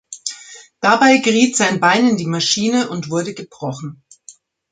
Dabei geriet sein Bein in die Maschine und wurde gebrochen.